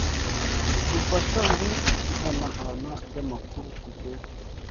dufasha mu ihanahana ry’amakuru ku bwonko